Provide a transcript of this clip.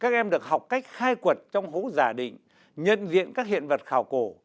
các em được học cách khai quật trong hố giả định nhận diện các hiện vật khảo cổ